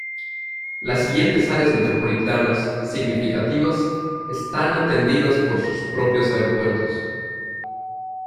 Las siguientes áreas metropolitanas significativas, están atendidas por sus propios aeropuertos.